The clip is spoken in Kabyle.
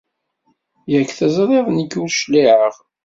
Yak teẓriḍ nekk ur claɛeɣ.